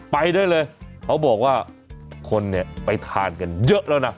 ไปได้เลยเขาบอกว่าคนเนี่ยไปทานกันเยอะแล้วนะ